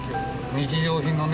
日常品のね